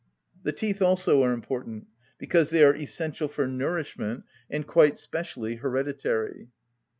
The teeth also are important; because they are essential for nourishment and quite specially hereditary.